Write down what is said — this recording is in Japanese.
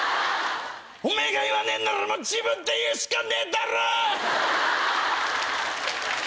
おめぇが言わねえんなら自分で言うしかねえだろぉ‼